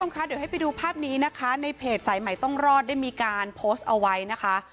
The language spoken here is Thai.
เดี๋ยวให้ดูภาพนี้นะคะในเพจสายใหม่ต้องรอดได้มีการเอาไว้นะคะ